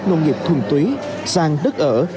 đất nông nghiệp thuần túy sàng đất ở